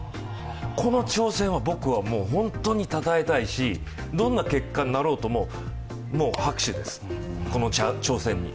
この挑戦は僕は本当にたたえたいし、どんな結果になろうとも、もう拍手です、この挑戦に。